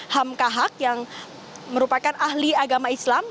ham kahak yang merupakan ahli agama islam